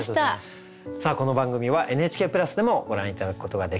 さあこの番組はＮＨＫプラスでもご覧頂くことができます。